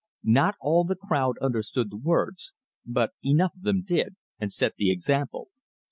Not all the crowd understood the words, but enough of them did, and set the example.